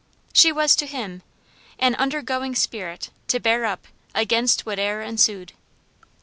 She was to him, " an undergoing spirit, to bear up Against whate'er ensued."